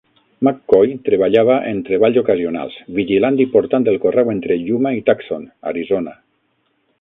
McCoy treballava en treballs ocasionals, vigilant i portant el correu entre Yuma i Tucson, Arizona.